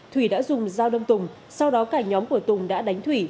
thủy đã dùng dao đâm tùng sau đó cả nhóm của tùng đã đánh thủy